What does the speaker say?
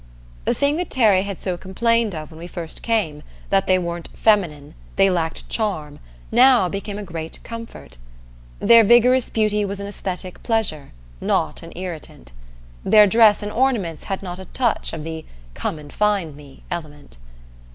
The thing that Terry had so complained of when we first came that they weren't "feminine," they lacked "charm," now became a great comfort. Their vigorous beauty was an aesthetic pleasure, not an irritant. Their dress and ornaments had not a touch of the "come and find me" element.